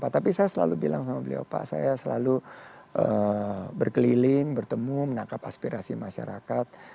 tapi saya selalu bilang sama beliau pak saya selalu berkeliling bertemu menangkap aspirasi masyarakat